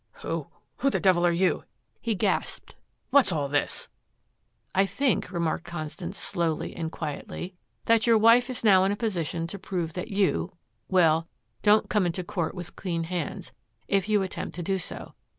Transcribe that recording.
"Who who the devil are you?" he gasped. "What's all this?" "I think," remarked Constance slowly and quietly, "that your wife is now in a position to prove that you well, don't come into court with clean hands, if you attempt to do so.